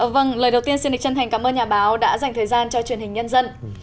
vâng lời đầu tiên xin chân thành cảm ơn nhà báo đã dành thời gian cho truyền hình nhân dân